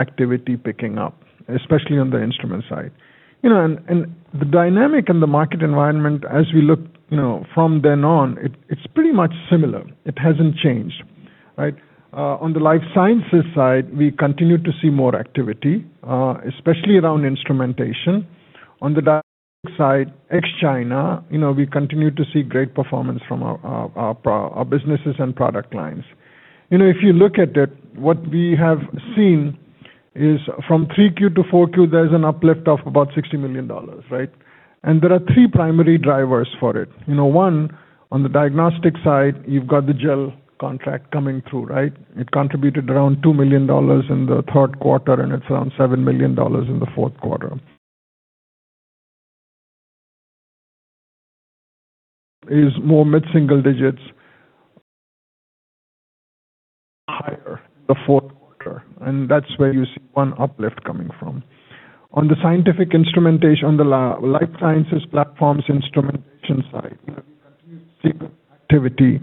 Activity picking up, especially on the instrument side. The dynamic in the market environment, as we look from then on, is pretty much similar. It has not changed. On the life sciences side, we continue to see more activity, especially around instrumentation. On the ex-China, we continue to see great performance from our businesses and product lines. If you look at it, what we have seen is from 3Q to 4Q, there is an uplift of about $60 million. There are three primary drivers for it. One, on the diagnostic side, you have got the Genomics England contract coming through. It contributed around $2 million in the third quarter, and it is around $7 million in the fourth quarter. Is more mid-single digits higher in the fourth quarter. That is where you see one uplift coming from. On the scientific instrumentation, on the life sciences platforms instrumentation side, we continue to see good activity.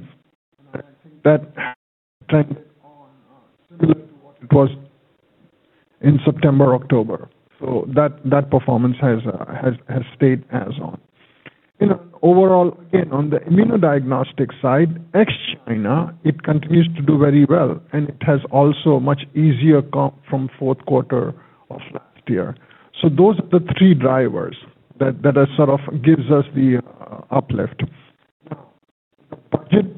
That trend is similar to what it was in September, October. That performance has stayed as on. Overall, again, on the immunodiagnostic side, ex-China, it continues to do very well. It has also much easier come from fourth quarter of last year. Those are the three drivers that sort of give us the uplift. The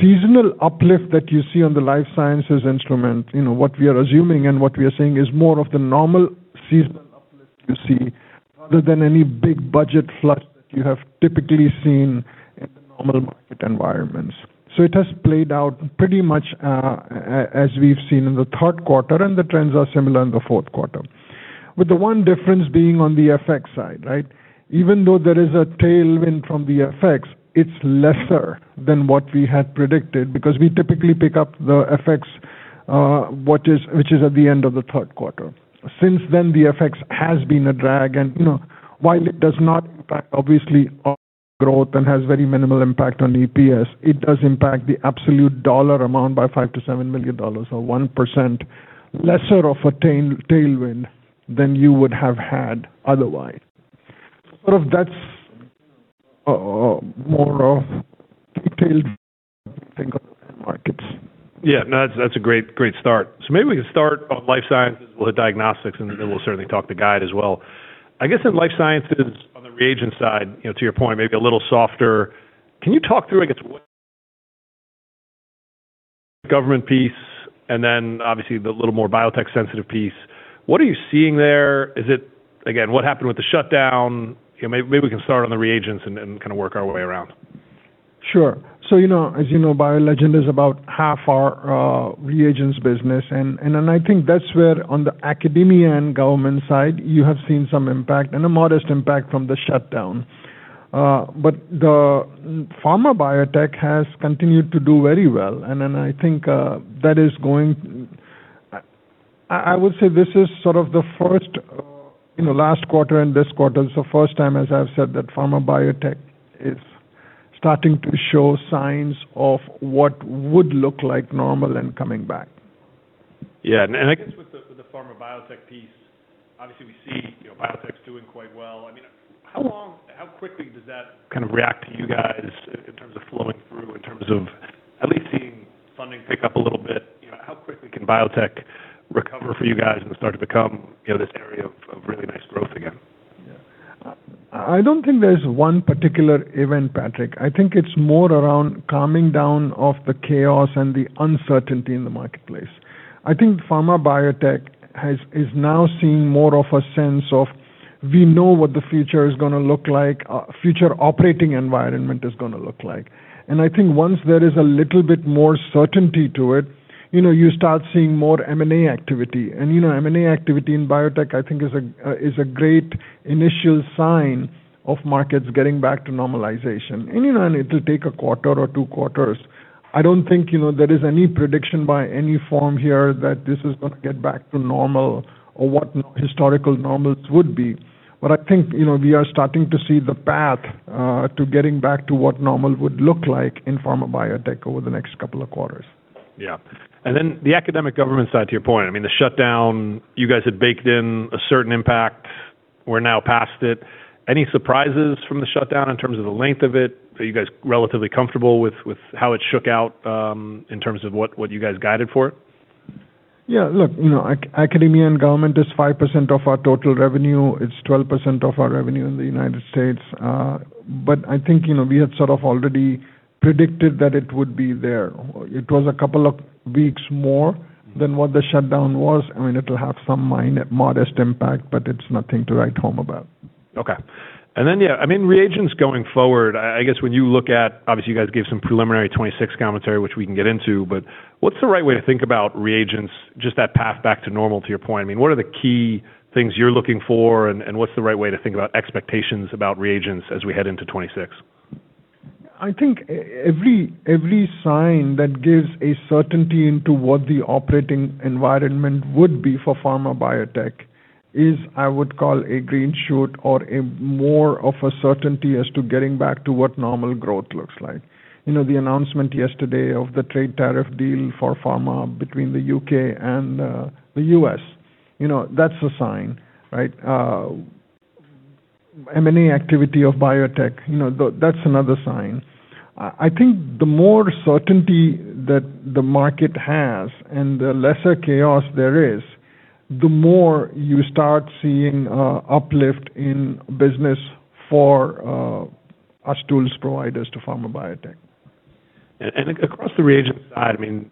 seasonal uplift that you see on the life sciences instrument—what we are assuming and what we are seeing—is more of the normal seasonal uplift you see rather than any big budget flush that you have typically seen in normal market environments. It has played out pretty much as we've seen in the third quarter, and the trends are similar in the fourth quarter. With the one difference being on the FX side, even though there is a tailwind from the FX, it's lesser than what we had predicted because we typically pick up the FX, which is at the end of the third quarter. Since then, the FX has been a drag. While it does not impact, obviously, growth and has very minimal impact on EPS, it does impact the absolute dollar amount by $5-$7 million. That is 1% lesser of a tailwind than you would have had otherwise. That is more of a detailed thing on the markets. Yeah. No, that's a great start. Maybe we can start on life sciences with diagnostics, and then we'll certainly talk to guide as well. I guess in life sciences, on the reagent side, to your point, maybe a little softer. Can you talk through, I guess, government piece and then obviously the little more biotech-sensitive piece? What are you seeing there? Again, what happened with the shutdown? Maybe we can start on the reagents and kind of work our way around. Sure. As you know, BioLegend is about half our reagents business. I think that is where, on the academia and government side, you have seen some impact and a modest impact from the shutdown. The pharma biotech has continued to do very well. I think that is going, I would say this is sort of the first last quarter, and this quarter is the first time, as I have said, that pharma biotech is starting to show signs of what would look like normal and coming back. Yeah. I guess with the pharma biotech piece, obviously, we see biotech's doing quite well. I mean, how quickly does that kind of react to you guys in terms of flowing through, in terms of at least seeing funding pick up a little bit? How quickly can biotech recover for you guys and start to become this area of really nice growth again? I don't think there's one particular event, Patrick. I think it's more around calming down of the chaos and the uncertainty in the marketplace. I think pharma biotech is now seeing more of a sense of, "We know what the future is going to look like; our future operating environment is going to look like." I think once there is a little bit more certainty to it, you start seeing more M&A activity. M&A activity in biotech, I think, is a great initial sign of markets getting back to normalization. It'll take a quarter or two quarters. I don't think there is any prediction by any form here that this is going to get back to normal or what historical normals would be. I think we are starting to see the path to getting back to what normal would look like in pharma biotech over the next couple of quarters. Yeah. And then the academic government side, to your point, I mean, the shutdown—you guys had baked in a certain impact. We're now past it. Any surprises from the shutdown in terms of the length of it? Are you guys relatively comfortable with how it shook out in terms of what you guys guided for it? Yeah. Look, academia and government is 5% of our total revenue. It's 12% of our revenue in the United States. I think we had sort of already predicted that it would be there. It was a couple of weeks more than what the shutdown was. I mean, it'll have some modest impact, but it's nothing to write home about. Okay. Yeah, I mean, reagents going forward, I guess when you look at, obviously, you guys gave some preliminary 2026 commentary, which we can get into. What's the right way to think about reagents, just that path back to normal, to your point? I mean, what are the key things you're looking for, and what's the right way to think about expectations about reagents as we head into 2026? I think every sign that gives a certainty into what the operating environment would be for pharma biotech is, I would call, a green shoot or more of a certainty as to getting back to what normal growth looks like. The announcement yesterday of the trade tariff deal for pharma between the U.K. and the U.S., that's a sign. M&A activity of biotech—that's another sign. I think the more certainty that the market has and the lesser chaos there is, the more you start seeing uplift in business for us tools providers to pharma biotech. Across the reagent side, I mean,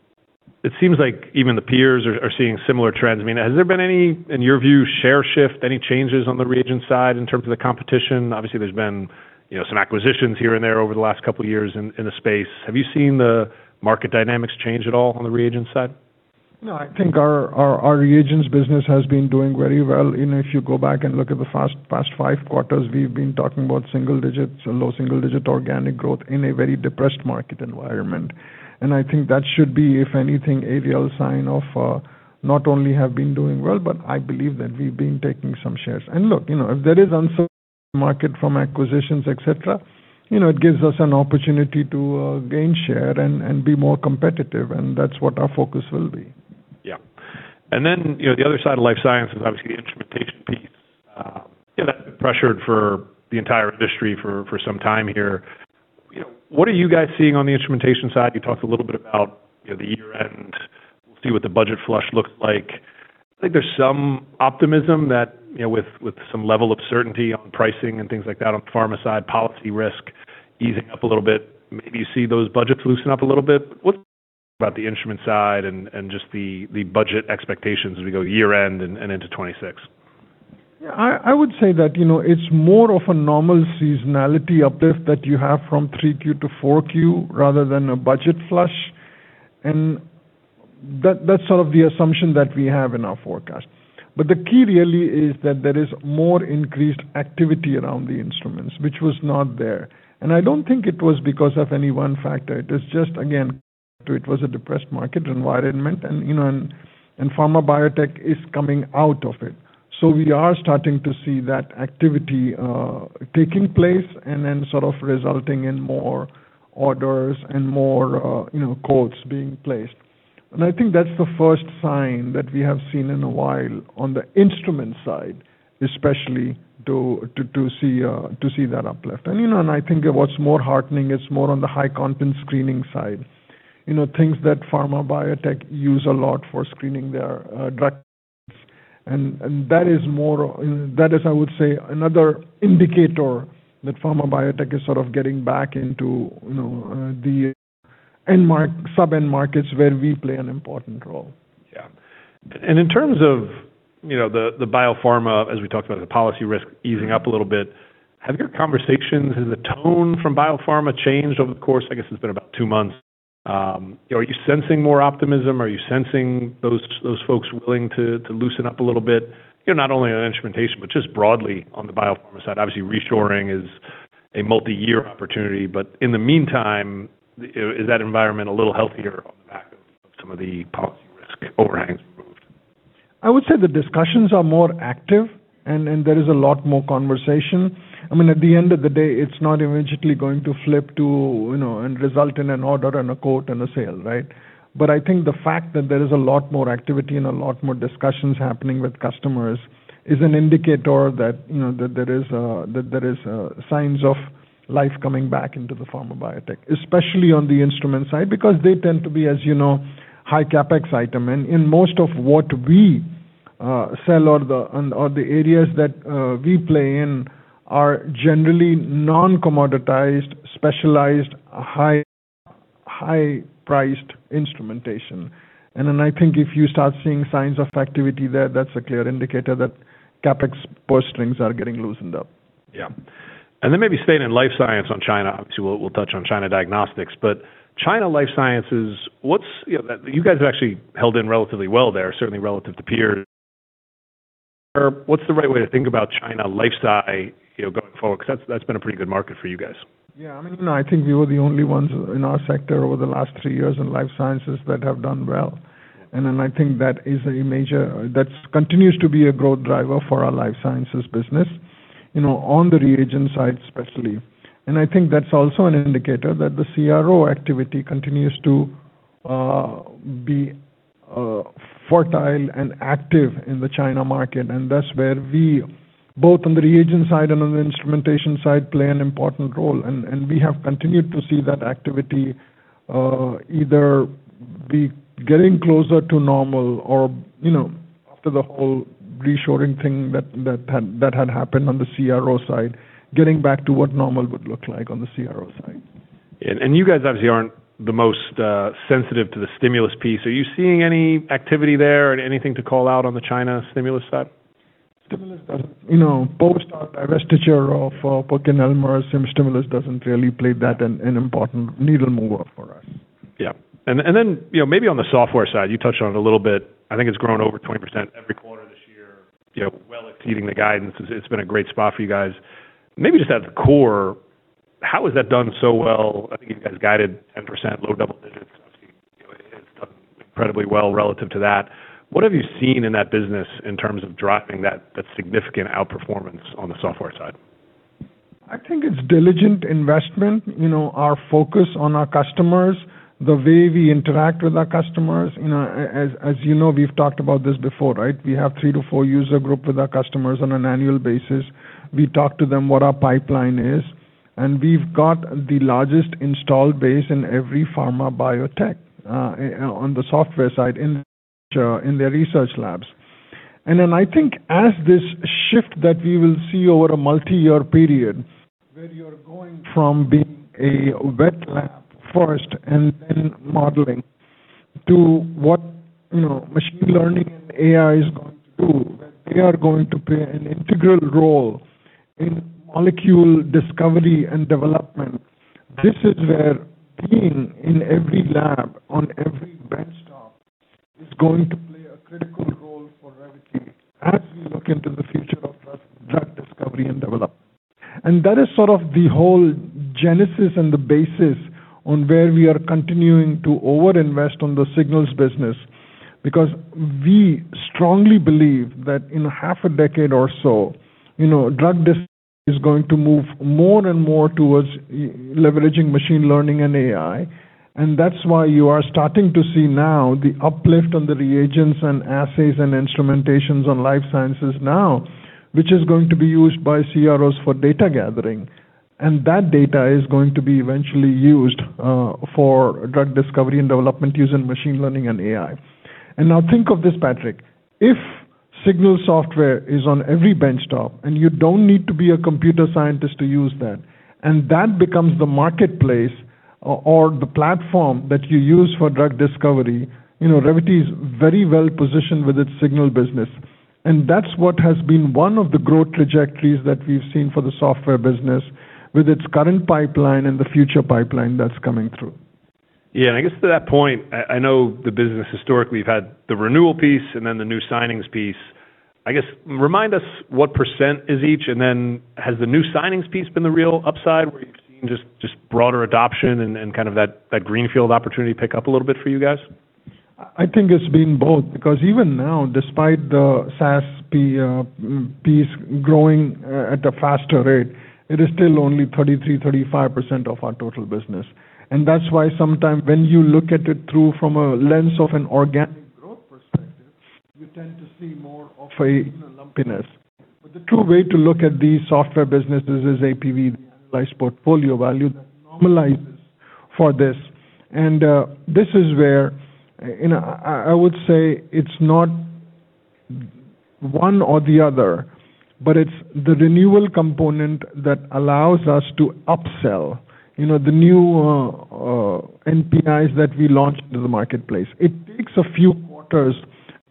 it seems like even the peers are seeing similar trends. I mean, has there been any, in your view, share shift, any changes on the reagent side in terms of the competition? Obviously, there's been some acquisitions here and there over the last couple of years in the space. Have you seen the market dynamics change at all on the reagent side? No, I think our reagents business has been doing very well. If you go back and look at the past five quarters, we've been talking about single-digit or low single-digit organic growth in a very depressed market environment. I think that should be, if anything, a real sign of not only have been doing well, but I believe that we've been taking some shares. Look, if there is uncertainty in the market from acquisitions, etc., it gives us an opportunity to gain share and be more competitive. That's what our focus will be. Yeah. And then the other side of life science is obviously the instrumentation piece. That's been pressured for the entire industry for some time here. What are you guys seeing on the instrumentation side? You talked a little bit about the year-end. We'll see what the budget flush looks like. I think there's some optimism that with some level of certainty on pricing and things like that on the pharma side, policy risk easing up a little bit, maybe you see those budgets loosen up a little bit. What about the instrument side and just the budget expectations as we go year-end and into 2026? Yeah. I would say that it's more of a normal seasonality uplift that you have from 3Q to 4Q rather than a budget flush. That's sort of the assumption that we have in our forecast. The key really is that there is more increased activity around the instruments, which was not there. I don't think it was because of any one factor. It is just, again, it was a depressed market environment. Pharma biotech is coming out of it. We are starting to see that activity taking place and then sort of resulting in more orders and more quotes being placed. I think that's the first sign that we have seen in a while on the instrument side, especially to see that uplift. I think what is more heartening, it is more on the high-content screening side, things that pharma biotech use a lot for screening their drugs. That is more; that is, I would say, another indicator that pharma biotech is sort of getting back into the sub-end markets where we play an important role. Yeah. In terms of the biopharma, as we talked about, the policy risk easing up a little bit. Have your conversations, has the tone from biopharma changed over the course? I guess it has been about two months. Are you sensing more optimism? Are you sensing those folks willing to loosen up a little bit, not only on instrumentation but just broadly on the biopharma side? Obviously, reshoring is a multi-year opportunity. In the meantime, is that environment a little healthier on the back of some of the policy risk overhangs removed? I would say the discussions are more active, and there is a lot more conversation. I mean, at the end of the day, it's not immediately going to flip to and result in an order and a quote and a sale, right? But I think the fact that there is a lot more activity and a lot more discussions happening with customers is an indicator that there are signs of life coming back into the pharma biotech, especially on the instrument side, because they tend to be, as you know, high CapEx item. In most of what we sell or the areas that we play in are generally non-commoditized, specialized, high-priced instrumentation. I think if you start seeing signs of activity there, that's a clear indicator that CapEx purse strings are getting loosened up. Yeah. And then maybe staying in life science on China, obviously, we'll touch on China diagnostics. But China life sciences, you guys have actually held in relatively well there, certainly relative to peers. What's the right way to think about China life sci going forward? Because that's been a pretty good market for you guys. Yeah. I mean, I think we were the only ones in our sector over the last three years in life sciences that have done well. I think that is a major that continues to be a growth driver for our life sciences business on the reagent side, especially. I think that's also an indicator that the CRO activity continues to be fertile and active in the China market. That is where we, both on the reagent side and on the instrumentation side, play an important role. We have continued to see that activity either be getting closer to normal or, after the whole reshoring thing that had happened on the CRO side, getting back to what normal would look like on the CRO side. You guys obviously are not the most sensitive to the stimulus piece. Are you seeing any activity there or anything to call out on the China stimulus side? Post our divestiture of PerkinElmer, stimulus doesn't really play that an important needle mover for us. Yeah. And then maybe on the software side, you touched on it a little bit. I think it's grown over 20% every quarter this year, well exceeding the guidance. It's been a great spot for you guys. Maybe just at the core, how has that done so well? I think you guys guided 10%, low double digits. Obviously, it's done incredibly well relative to that. What have you seen in that business in terms of driving that significant outperformance on the software side? I think it's diligent investment, our focus on our customers, the way we interact with our customers. As you know, we've talked about this before, right? We have three to four user groups with our customers on an annual basis. We talk to them what our pipeline is. We've got the largest installed base in every pharma biotech on the software side in their research labs. I think as this shift that we will see over a multi-year period, where you're going from being a wet lab first and then modeling to what machine learning and AI is going to do, they are going to play an integral role in molecule discovery and development. This is where being in every lab on every bench top is going to play a critical role for Revvity as we look into the future of drug discovery and development. That is sort of the whole genesis and the basis on where we are continuing to overinvest on the Signals business because we strongly believe that in half a decade or so, drug discovery is going to move more and more towards leveraging machine learning and AI. That is why you are starting to see now the uplift on the reagents and assays and instrumentations on life sciences now, which is going to be used by CROs for data gathering. That data is going to be eventually used for drug discovery and development using machine learning and AI. Now think of this, Patrick. If Signals software is on every benchtop and you do not need to be a computer scientist to use that, and that becomes the marketplace or the platform that you use for drug discovery, Revvity is very well positioned with its Signals business. That is what has been one of the growth trajectories that we've seen for the software business with its current pipeline and the future pipeline that's coming through. Yeah. I guess to that point, I know the business historically; you've had the renewal piece and then the new signings piece. I guess remind us what percent is each? Has the new signings piece been the real upside where you've seen just broader adoption and kind of that greenfield opportunity pick up a little bit for you guys? I think it's been both because even now, despite the SaaS piece growing at a faster rate, it is still only 33-35% of our total business. That is why sometimes when you look at it through from a lens of an organic growth perspective, you tend to see more of a lumpiness. The true way to look at these software businesses is APV, the annualized portfolio value that normalizes for this. This is where I would say it's not one or the other, but it's the renewal component that allows us to upsell the new NPIs that we launched into the marketplace. It takes a few quarters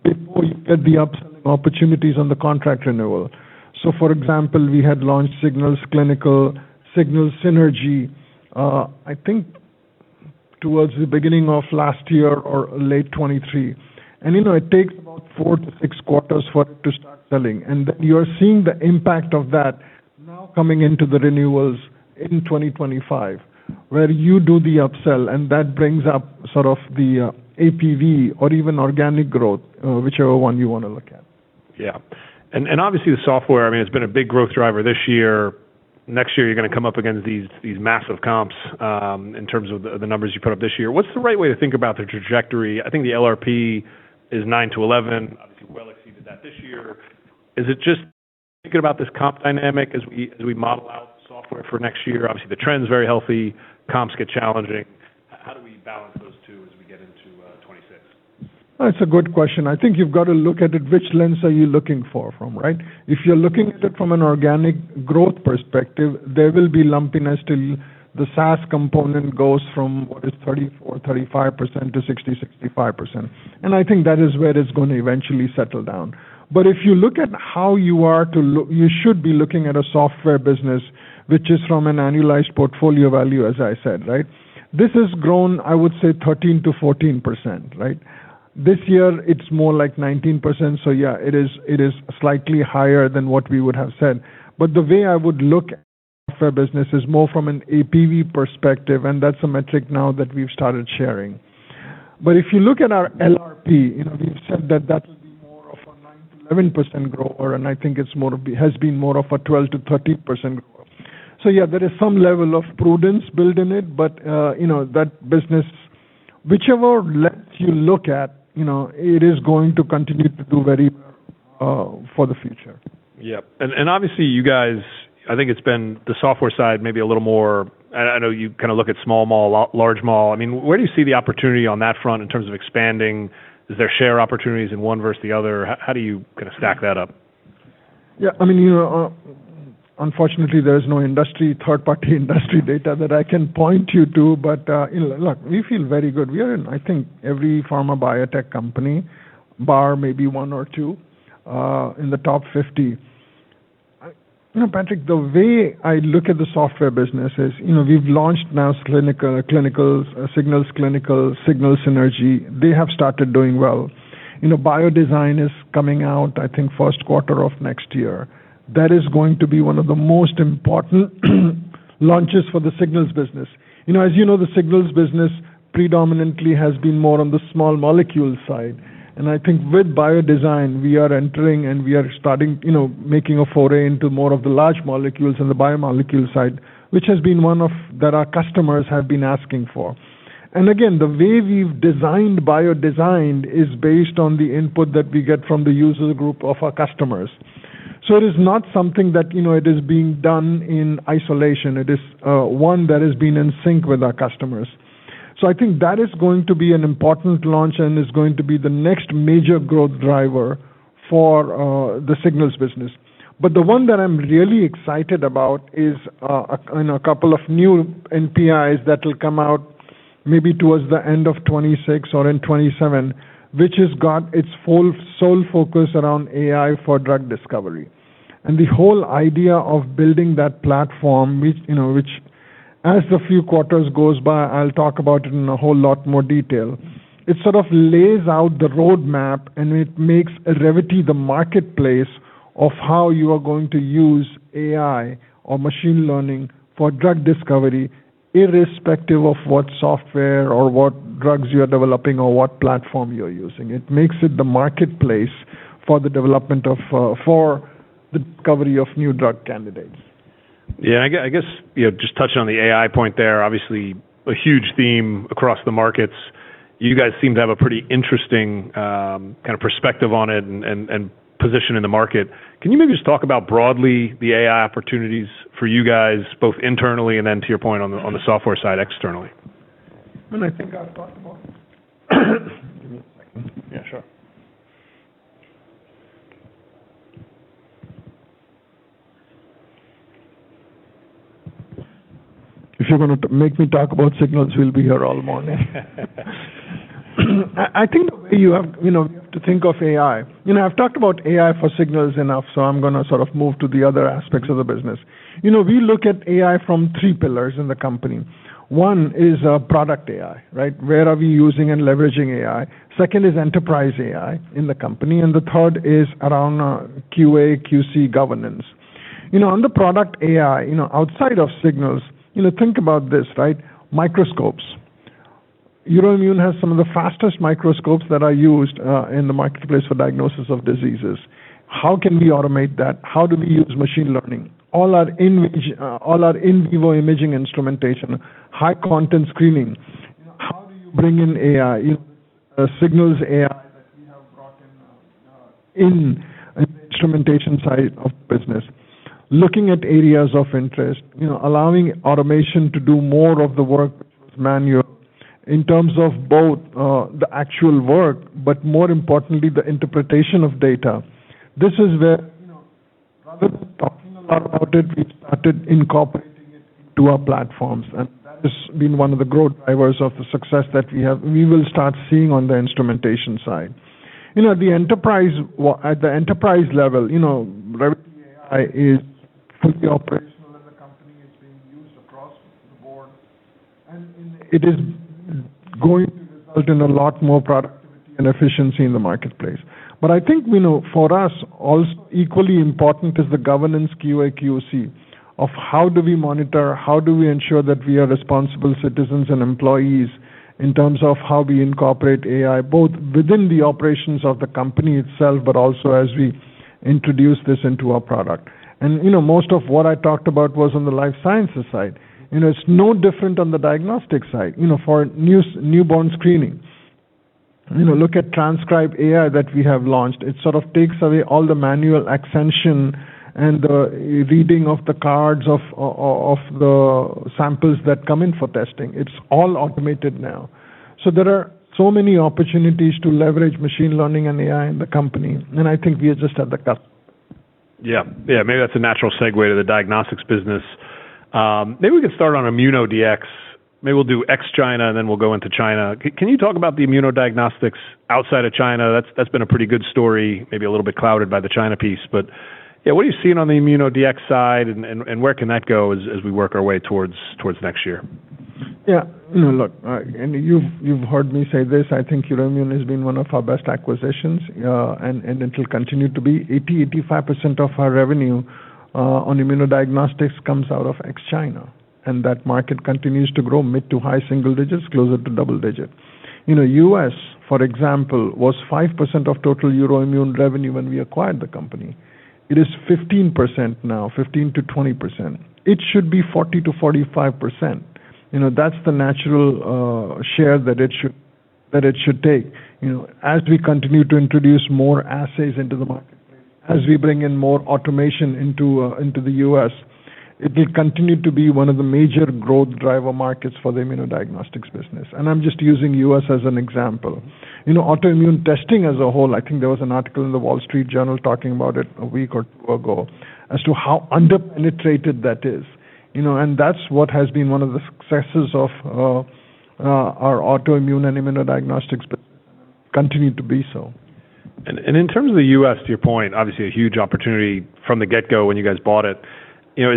before you get the upselling opportunities on the contract renewal. For example, we had launched Signals Clinical, Signals Synergy, I think towards the beginning of last year or late 2023. It takes about four to six quarters for it to start selling. Then you're seeing the impact of that now coming into the renewals in 2025, where you do the upsell, and that brings up sort of the APV or even organic growth, whichever one you want to look at. Yeah. Obviously, the software, I mean, has been a big growth driver this year. Next year, you're going to come up against these massive comps in terms of the numbers you put up this year. What's the right way to think about the trajectory? I think the LRP is 9-11. Obviously, well exceeded that this year. Is it just thinking about this comp dynamic as we model out the software for next year? Obviously, the trend is very healthy. Comps get challenging. How do we balance those two as we get into 2026? That's a good question. I think you've got to look at it. Which lens are you looking for, right? If you're looking at it from an organic growth perspective, there will be lumpiness till the SaaS component goes from what is 34-35% to 60-65%. I think that is where it's going to eventually settle down. If you look at how you are to look, you should be looking at a software business, which is from an annualized portfolio value, as I said, right? This has grown, I would say, 13-14%, right? This year, it's more like 19%. Yeah, it is slightly higher than what we would have said. The way I would look at software business is more from an APV perspective, and that's a metric now that we've started sharing. If you look at our LRP, we've said that that would be more of a 9-11% grower, and I think it has been more of a 12-13% grower. Yeah, there is some level of prudence built in it, but that business, whichever lens you look at, it is going to continue to do very well for the future. Yeah. Obviously, you guys, I think it's been the software side maybe a little more. I know you kind of look at small, mall, large mall. I mean, where do you see the opportunity on that front in terms of expanding? Is there share opportunities in one versus the other? How do you kind of stack that up? Yeah. I mean, unfortunately, there is no industry, third-party industry data that I can point you to. Look, we feel very good. We are in, I think, every pharma biotech company, bar maybe one or two in the top 50. Patrick, the way I look at the software business is we've launched now Clinicals, Signals Clinical, Signals Synergy. They have started doing well. BioDesign is coming out, I think, first quarter of next year. That is going to be one of the most important launches for the Signals business. As you know, the Signals business predominantly has been more on the small molecule side. I think with BioDesign, we are entering and we are starting making a foray into more of the large molecules and the biomolecule side, which has been one that our customers have been asking for. The way we have designed BioDesign is based on the input that we get from the user group of our customers. It is not something that is being done in isolation. It is one that has been in sync with our customers. I think that is going to be an important launch and is going to be the next major growth driver for the Signals business. The one that I am really excited about is a couple of new NPIs that will come out maybe towards the end of 2026 or in 2027, which has got its full sole focus around AI for drug discovery. The whole idea of building that platform, which as the few quarters goes by, I'll talk about it in a whole lot more detail, it sort of lays out the roadmap and it makes Revvity the marketplace of how you are going to use AI or machine learning for drug discovery, irrespective of what software or what drugs you are developing or what platform you're using. It makes it the marketplace for the development of for the discovery of new drug candidates. Yeah. I guess just touching on the AI point there, obviously a huge theme across the markets. You guys seem to have a pretty interesting kind of perspective on it and position in the market. Can you maybe just talk about broadly the AI opportunities for you guys, both internally and then to your point on the software side externally? I think I've got about give me a second. Yeah, sure. If you're going to make me talk about Signals, we'll be here all morning. I think the way you have to think of AI, I've talked about AI for Signals enough, so I'm going to sort of move to the other aspects of the business. We look at AI from three pillars in the company. One is product AI, right? Where are we using and leveraging AI? Second is enterprise AI in the company. The third is around QA, QC governance. On the product AI, outside of Signals, think about this, right? Microscopes. EUROIMMUN has some of the fastest microscopes that are used in the marketplace for diagnosis of diseases. How can we automate that? How do we use machine learning? All our in-vivo imaging instrumentation, high-content screening. How do you bring in AI, Signals AI that we have brought in the instrumentation side of the business? Looking at areas of interest, allowing automation to do more of the work manual in terms of both the actual work, but more importantly, the interpretation of data. This is where rather than talking a lot about it, we've started incorporating it into our platforms. That has been one of the growth drivers of the success that we will start seeing on the instrumentation side. At the enterprise level, Revvity AI is fully operational in the company. It's being used across the board. It is going to result in a lot more productivity and efficiency in the marketplace. I think for us, also equally important is the governance, QA, QC of how do we monitor, how do we ensure that we are responsible citizens and employees in terms of how we incorporate AI both within the operations of the company itself, but also as we introduce this into our product. Most of what I talked about was on the life sciences side. It's no different on the diagnostic side for newborn screening. Look at T-Scribe that we have launched. It sort of takes away all the manual extension and the reading of the cards of the samples that come in for testing. It's all automated now. There are so many opportunities to leverage machine learning and AI in the company. I think we are just at the cuts. Yeah. Yeah. Maybe that's a natural segue to the diagnostics business. Maybe we could start on ImmunoDx. Maybe we'll do X China and then we'll go into China. Can you talk about the immunodiagnostics outside of China? That's been a pretty good story, maybe a little bit clouded by the China piece. Yeah, what are you seeing on the ImmunoDx side and where can that go as we work our way towards next year? Yeah. Look, and you've heard me say this. I think EUROIMMUN has been one of our best acquisitions and it'll continue to be. 80-85% of our revenue on immunodiagnostics comes out of ex-China. That market continues to grow mid to high single digits, closer to double digits. U.S., for example, was 5% of total EUROIMMUN revenue when we acquired the company. It is 15% now, 15-20%. It should be 40-45%. That's the natural share that it should take. As we continue to introduce more assays into the marketplace, as we bring in more automation into the U.S., it will continue to be one of the major growth driver markets for the immunodiagnostics business. I'm just using U.S. as an example. Autoimmune testing as a whole, I think there was an article in The Wall Street Journal talking about it a week or two ago as to how underpenetrated that is. That has been one of the successes of our autoimmune and immunodiagnostics business and continued to be so. In terms of the U.S., to your point, obviously a huge opportunity from the get-go when you guys bought it. Is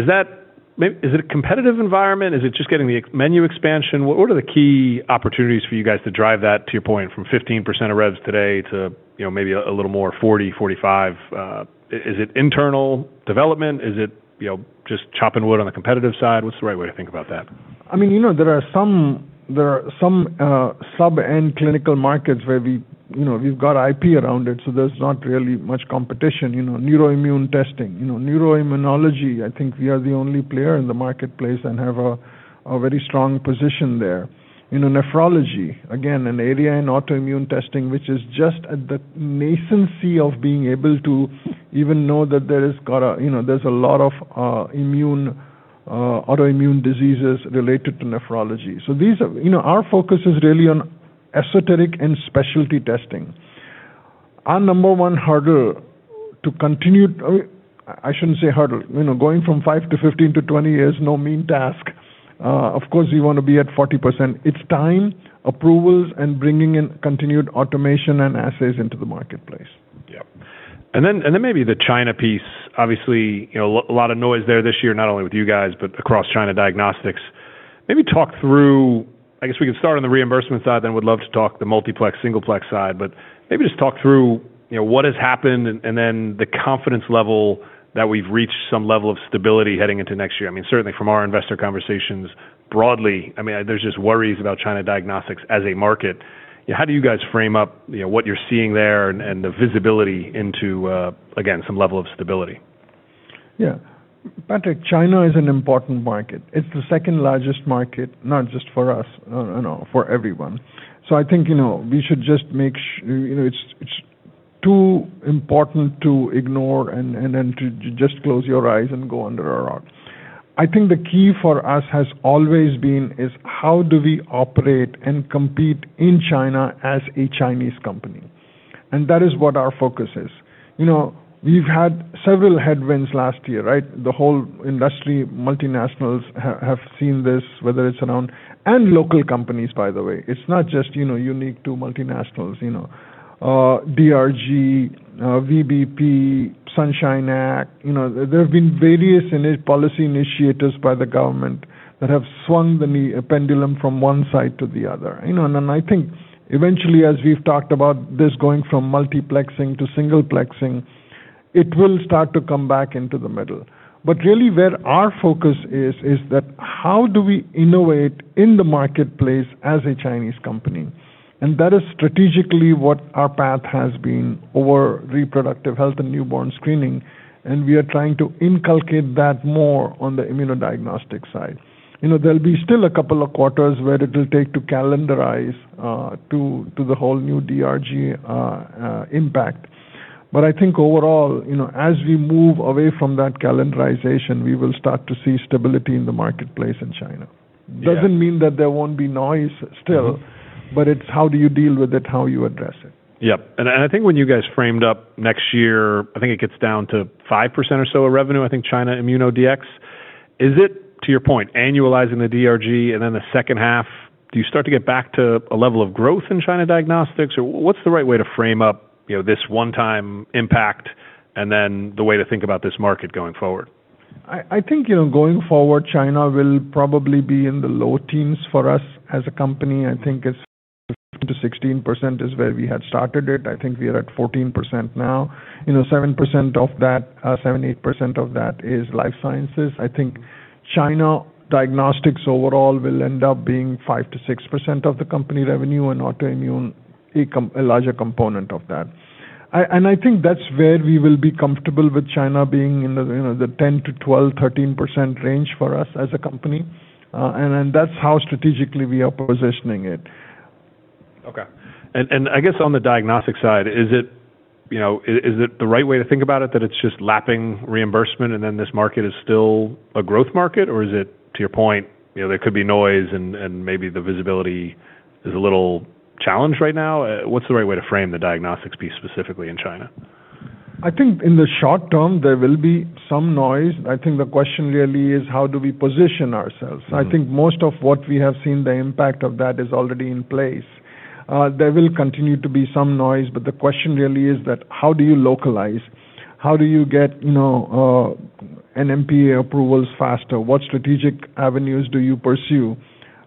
it a competitive environment? Is it just getting the menu expansion? What are the key opportunities for you guys to drive that, to your point, from 15% of revs today to maybe a little more 40-45%? Is it internal development? Is it just chopping wood on the competitive side? What's the right way to think about that? I mean, there are some sub-end clinical markets where we've got IP around it, so there's not really much competition. Neuroimmune testing, neuroimmunology, I think we are the only player in the marketplace and have a very strong position there. Nephrology, again, an area in autoimmune testing which is just at the nascency of being able to even know that there's a lot of autoimmune diseases related to nephrology. Our focus is really on esoteric and specialty testing. Our number one hurdle to continue, I shouldn't say hurdle, going from 5 to 15 to 20 years is no mean task. Of course, we want to be at 40%. It's time, approvals, and bringing in continued automation and assays into the marketplace. Yep. And then maybe the China piece. Obviously, a lot of noise there this year, not only with you guys but across China diagnostics. Maybe talk through, I guess we could start on the reimbursement side, then we'd love to talk the multiplex, singleplex side, but maybe just talk through what has happened and then the confidence level that we've reached some level of stability heading into next year. I mean, certainly from our investor conversations broadly, I mean, there's just worries about China diagnostics as a market. How do you guys frame up what you're seeing there and the visibility into, again, some level of stability? Yeah. Patrick, China is an important market. It is the second largest market, not just for us, for everyone. I think we should just make sure it is too important to ignore and then to just close your eyes and go under a rock. I think the key for us has always been how do we operate and compete in China as a Chinese company. That is what our focus is. We have had several headwinds last year, right? The whole industry, multinationals have seen this, whether it is around and local companies, by the way. It is not just unique to multinationals. DRG, VBP, Sunshine Act. There have been various policy initiatives by the government that have swung the pendulum from one side to the other. I think eventually, as we have talked about this going from multiplexing to singleplexing, it will start to come back into the middle. Really where our focus is, is that how do we innovate in the marketplace as a Chinese company. That is strategically what our path has been over reproductive health and newborn screening. We are trying to inculcate that more on the immunodiagnostic side. There will be still a couple of quarters where it will take to calendarize to the whole new DRG impact. I think overall, as we move away from that calendarization, we will start to see stability in the marketplace in China. It does not mean that there will not be noise still, but it is how do you deal with it, how you address it. Yep. I think when you guys framed up next year, I think it gets down to 5% or so of revenue, I think China ImmunoDx. Is it, to your point, annualizing the DRG and then the second half, do you start to get back to a level of growth in China diagnostics? What's the right way to frame up this one-time impact and then the way to think about this market going forward? I think going forward, China will probably be in the low teens for us as a company. I think it's 15%-16% is where we had started it. I think we are at 14% now. 7% of that, 7%-8% of that is life sciences. I think China diagnostics overall will end up being 5%-6% of the company revenue and autoimmune a larger component of that. I think that's where we will be comfortable with China being in the 10%-12%, 13% range for us as a company. That's how strategically we are positioning it. Okay. I guess on the diagnostic side, is it the right way to think about it that it's just lapping reimbursement and then this market is still a growth market? Or is it, to your point, there could be noise, and maybe the visibility is a little challenge right now? What's the right way to frame the diagnostics piece specifically in China? I think in the short term, there will be some noise. I think the question really is how do we position ourselves. I think most of what we have seen, the impact of that, is already in place. There will continue to be some noise, but the question really is that how do you localize? How do you get NMPA approvals faster? What strategic avenues do you pursue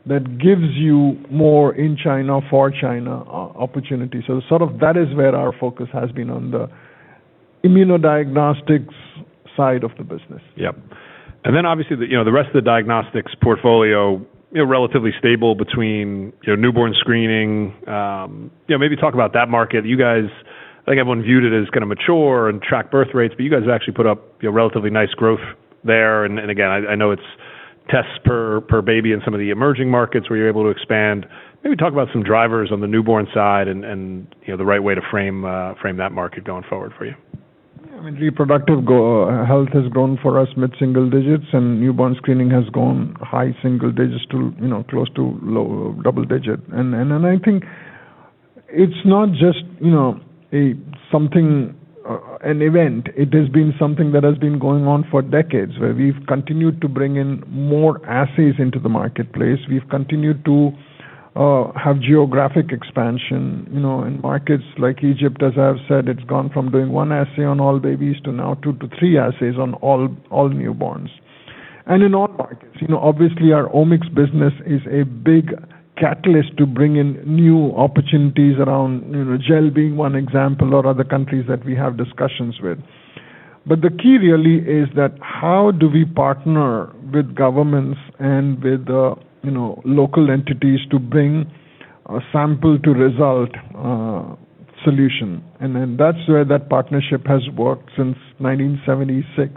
that gives you more in China, for China opportunity? That is where our focus has been on the immunodiagnostics side of the business. Yep. And then obviously the rest of the diagnostics portfolio, relatively stable between newborn screening. Maybe talk about that market. You guys, I think everyone viewed it as kind of mature and tracked birth rates, but you guys actually put up relatively nice growth there. And again, I know it's tests per baby in some of the emerging markets where you're able to expand. Maybe talk about some drivers on the newborn side and the right way to frame that market going forward for you. Yeah. I mean, reproductive health has grown for us mid-single digits, and newborn screening has grown high single digits to close to low double digit. I think it's not just something, an event. It has been something that has been going on for decades, where we've continued to bring in more assays into the marketplace. We've continued to have geographic expansion in markets like Egypt; as I've said, it's gone from doing one assay on all babies to now two to three assays on all newborns. In all markets, obviously our omics business is a big catalyst to bring in new opportunities around gel, being one example, or other countries that we have discussions with. The key really is that how do we partner with governments and with the local entities to bring a sample-to-result solution? That's where that partnership has worked since 1976.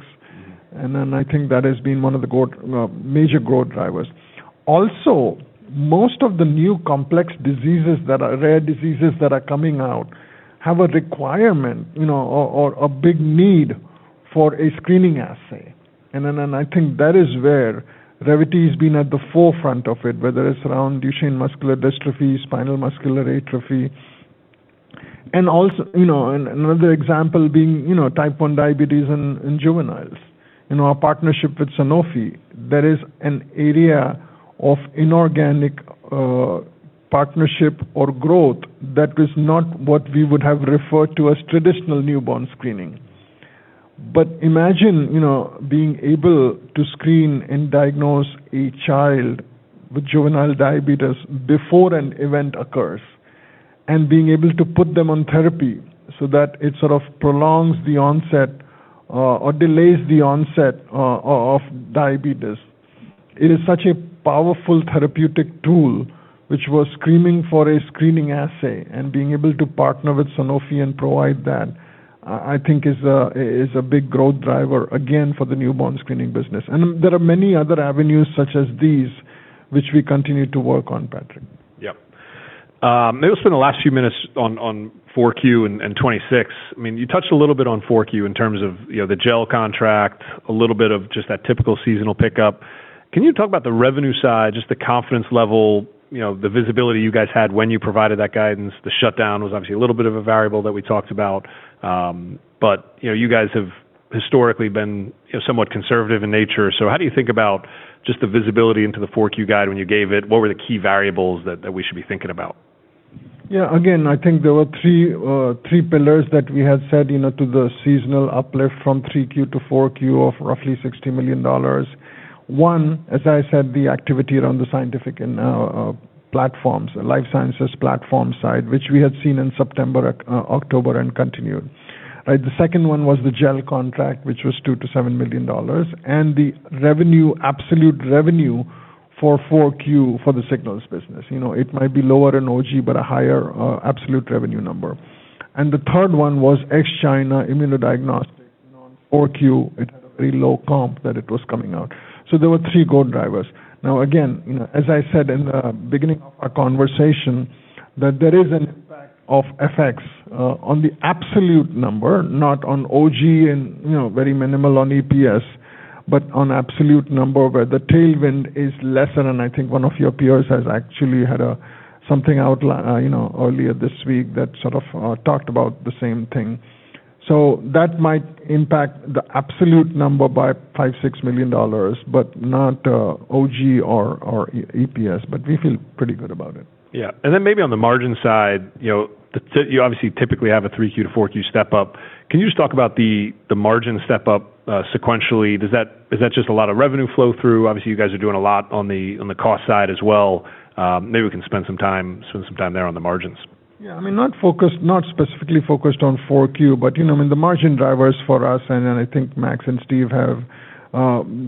I think that has been one of the major growth drivers. Also, most of the new complex diseases that are rare diseases that are coming out have a requirement or a big need for a screening assay. I think that is where Revvity has been at the forefront of it, whether it's around Duchenne muscular dystrophy, spinal muscular atrophy, and also another example being type 1 diabetes in juveniles. Our partnership with Sanofi, there is an area of inorganic partnership or growth that is not what we would have referred to as traditional newborn screening. Imagine being able to screen and diagnose a child with juvenile diabetes before an event occurs and being able to put them on therapy so that it sort of prolongs the onset or delays the onset of diabetes. It is such a powerful therapeutic tool, which was screaming for a screening assay, and being able to partner with Sanofi and provide that, I think, is a big growth driver again for the newborn screening business. There are many other avenues such as these which we continue to work on, Patrick. Yep. Maybe we'll spend the last few minutes on 4Q and 2026. I mean, you touched a little bit on 4Q in terms of the gel contract, a little bit of just that typical seasonal pickup. Can you talk about the revenue side, just the confidence level, the visibility you guys had when you provided that guidance? The shutdown was obviously a little bit of a variable that we talked about. You guys have historically been somewhat conservative in nature. How do you think about just the visibility into the 4Q guide when you gave it? What were the key variables that we should be thinking about? Yeah. Again, I think there were three pillars that we had said to the seasonal uplift from 3Q to 4Q of roughly $60 million. One, as I said, the activity around the scientific and life sciences platform side, which we had seen in September, October and continued. The second one was the gel contract, which was $2-$7 million. And the absolute revenue for 4Q for the Signals business. It might be lower in OG but a higher absolute revenue number. The third one was ex-China immunodiagnostic on 4Q. It had a very low comp that it was coming out. There were three go-drivers. Now, again, as I said in the beginning of our conversation, there is an impact of FX on the absolute number, not on OG and very minimal on EPS, but on absolute number where the tailwind is lesser. I think one of your peers has actually had something out earlier this week that sort of talked about the same thing. That might impact the absolute number by $5-6 million, but not OG or EPS. We feel pretty good about it. Yeah. And then maybe on the margin side, you obviously typically have a 3Q to 4Q step up. Can you just talk about the margin step-up sequentially? Is that just a lot of revenue flow through? Obviously, you guys are doing a lot on the cost side as well. Maybe we can spend some time there on the margins. Yeah. I mean, not specifically focused on 4Q, but I mean, the margin drivers for us, and I think Max and Steve have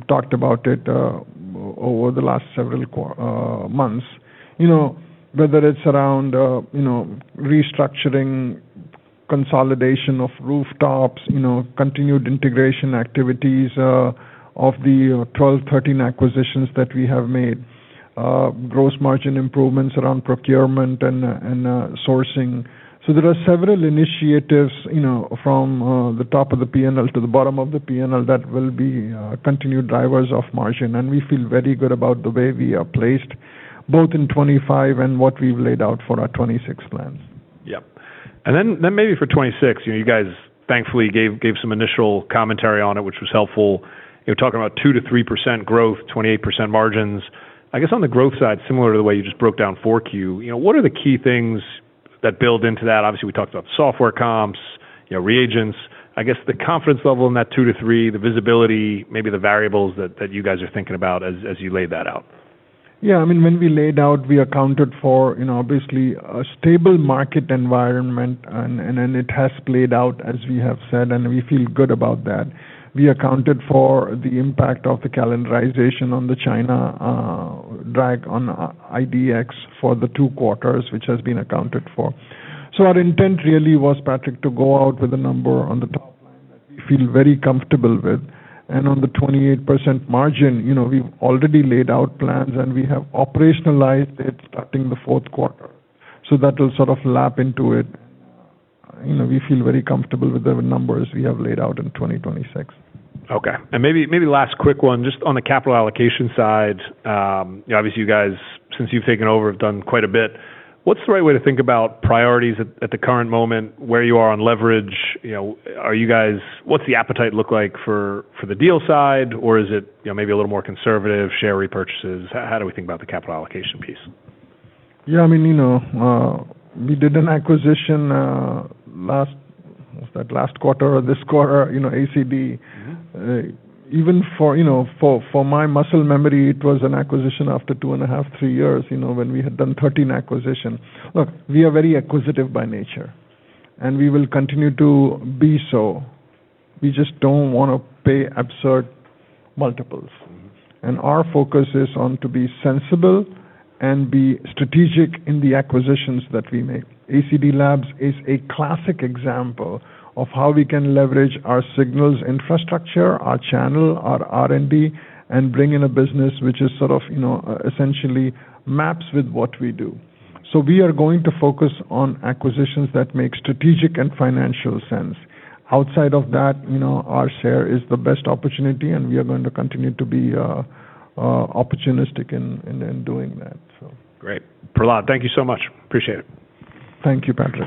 talked about it over the last several months, whether it's around restructuring, consolidation of rooftops, continued integration activities of the 12, 13 acquisitions that we have made, gross margin improvements around procurement and sourcing. There are several initiatives from the top of the P&L to the bottom of the P&L that will be continued drivers of margin. We feel very good about the way we are placed, both in 2025 and what we've laid out for our 2026 plans. Yep. And then maybe for 2026, you guys thankfully gave some initial commentary on it, which was helpful. You were talking about 2-3% growth, 28% margins. I guess on the growth side, similar to the way you just broke down 4Q, what are the key things that build into that? Obviously, we talked about software comps, reagents. I guess the confidence level in that 2-3, the visibility, maybe the variables that you guys are thinking about as you laid that out. Yeah. I mean, when we laid out, we accounted for obviously a stable market environment, and then it has played out as we have said, and we feel good about that. We accounted for the impact of the calendarization on the China drag on IDX for the two quarters, which has been accounted for. Our intent really was, Patrick, to go out with a number on the top line that we feel very comfortable with. On the 28% margin, we've already laid out plans and we have operationalized it starting the fourth quarter. That will sort of lap into it. We feel very comfortable with the numbers we have laid out in 2026. Okay. Maybe last quick one, just on the capital allocation side. Obviously, you guys, since you've taken over, have done quite a bit. What's the right way to think about priorities at the current moment where you are on leverage? What's the appetite look like for the deal side? Is it maybe a little more conservative, share repurchases? How do we think about the capital allocation piece? Yeah. I mean, we did an acquisition last—was that last quarter or this quarter, ACD/Labs. Even for my muscle memory, it was an acquisition after two and a half, three years when we had done 13 acquisitions. Look, we are very acquisitive by nature, and we will continue to be so. We just do not want to pay absurd multiples. Our focus is on to be sensible and be strategic in the acquisitions that we make. ACD/Labs is a classic example of how we can leverage our Signals infrastructure, our channel, our R&D and bring in a business which is sort of essentially maps with what we do. We are going to focus on acquisitions that make strategic and financial sense. Outside of that, our share is the best opportunity, and we are going to continue to be opportunistic in doing that. Great. Prahlad, thank you so much. Appreciate it. Thank you, Patrick.